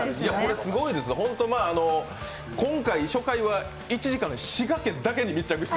すごいです、今回初回は１時間滋賀県だけに密着して。